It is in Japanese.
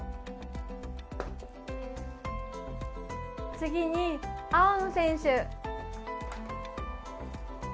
次に青の選手。